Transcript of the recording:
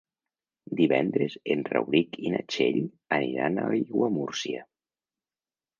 Divendres en Rauric i na Txell aniran a Aiguamúrcia.